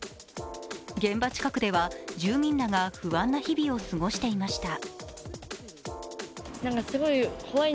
現場近くでは、住民らが不安な日々を過ごしていました。